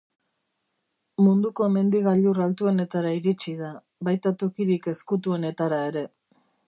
Munduko mendi-gailur altuenetara iritsi da, baita tokirik ezkutuenetara ere.